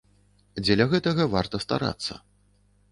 Дзеля гэтага варта старацца!